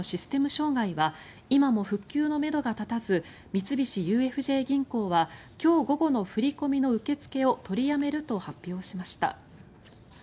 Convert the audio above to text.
障害は今も復旧のめどは立たず三菱ＵＦＪ銀行は今日午後の振り込みの受け付けを取りやめると発表しました。